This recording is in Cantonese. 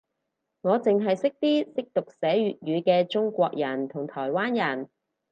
我剩係識啲識讀寫粵語嘅中國人同台灣人